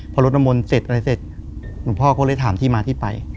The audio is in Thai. พอรถน้ำมนต์เสร็จอะไรเสร็จหลวงพ่อก็เลยถามที่มาที่ไป